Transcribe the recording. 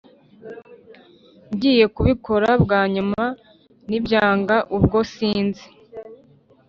Ngiye kubikora bwanyuma nibyanga ubwo sinzi